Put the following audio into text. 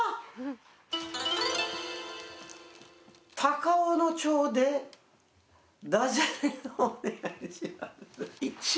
「高尾野町でダジャレをお願いします」。